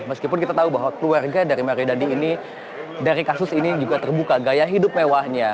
meskipun kita tahu bahwa keluarga dari mario dandi ini dari kasus ini juga terbuka gaya hidup mewahnya